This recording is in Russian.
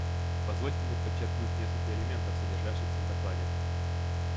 Позвольте мне подчеркнуть несколько элементов, содержащихся в докладе.